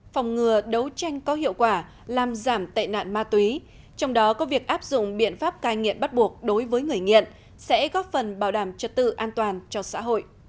phòng ngừa đấu tranh có hiệu quả làm giảm tệ nạn ma túy trong đó có việc áp dụng biện pháp cai nghiện bắt buộc đối với người nghiện sẽ góp phần bảo đảm trật tự an toàn cho xã hội